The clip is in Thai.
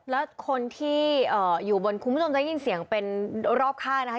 แล้วคนที่อยู่บนคุณผู้ชมจะได้ยินเสียงเป็นรอบข้างนะคะ